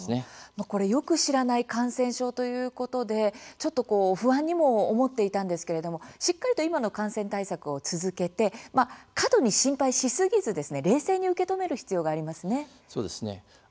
よく知らない感染症ということでちょっと不安にも思っていたんですけれどもしっかりと今の感染対策を続けて過度に心配しすぎず冷静に受け止める必要がありますね。